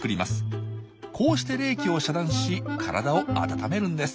こうして冷気を遮断し体を温めるんです。